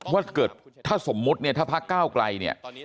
ว่าเกิดถ้าสมมุติเนี่ยถ้าพักก้าวไกลเนี่ย